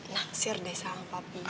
naksir deh sama papi